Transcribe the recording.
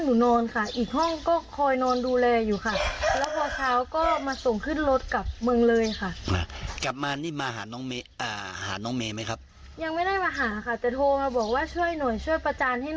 โดนเขารวนลามบอกว่าช่วยหน่อยแบบนี้ค่ะหนูก็เลยโพสต์ช่วยค่ะ